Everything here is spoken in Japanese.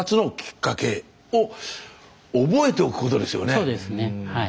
そうですねはい。